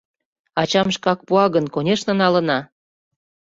— Ачам шкак пуа гын, конешне, налына.